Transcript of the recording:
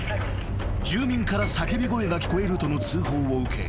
［住民から叫び声が聞こえるとの通報を受け